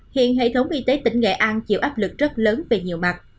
hiện hệ thống y tế tỉnh nghệ an chịu áp lực rất lớn về nhiều mặt